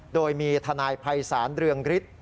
โดยมีทนายภัยศาลเรืองฤทธิ์